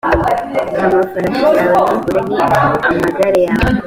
amafarashi yawe ndimbure n amagare yawe